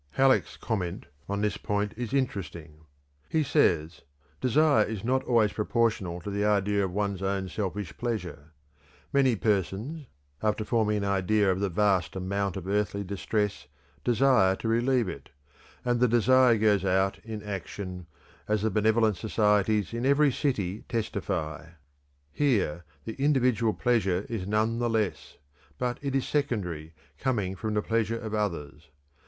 Halleck's comment on this point is interesting. He says: "Desire is not always proportional to the idea of one's own selfish pleasure. Many persons, after forming an idea of the vast amount of earthly distress, desire to relieve it, and the desire goes out in action, as the benevolent societies in every city testify. Here the individual pleasure is none the less, but it is secondary, coming from the pleasure of others.